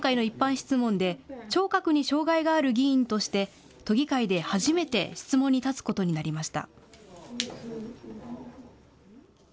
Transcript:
今回の一般質問で聴覚に障害がある議員として都議会で初めて質問に立つことになりました。